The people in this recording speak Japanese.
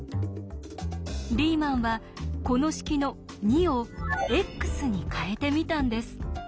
リーマンはこの式の「２」を「ｘ」に変えてみたんです。